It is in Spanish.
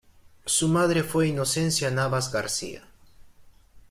Su madre fue Inocencia Navas García.